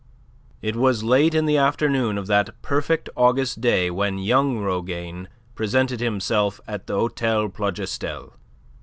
It was late in the afternoon of that perfect August day when young Rougane presented himself at the Hotel Plougastel.